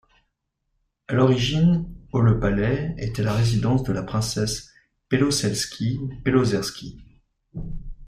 À l'origine au le palais était la résidence de la princesse Belosselski-Belozerski.